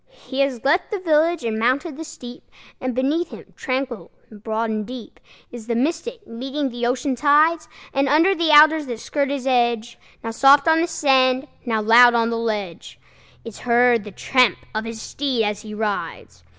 He has left the village and mounted the steep, And beneath him, tranquil and broad and deep, Is the Mystic, meeting the ocean tides; And under the alders that skirt its edge, Now soft on the sand, now loud on the ledge, Is heard the tramp of his steed as he rides.